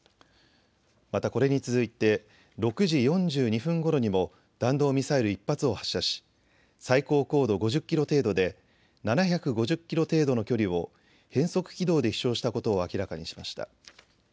また、これに続いて６時４２分ごろにも弾道ミサイル１発を発射し最高高度５０キロ程度で７５０キロ程度の距離を変則軌道で飛しょうしたことを明らかにしました。